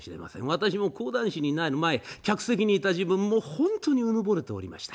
私も講談師になる前客席にいた時分本当にうぬぼれていました。